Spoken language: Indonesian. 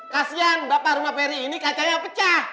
kasian bapak rumah peri ini kacanya pecah